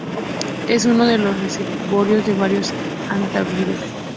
Es uno de los reservorios de varios hantavirus.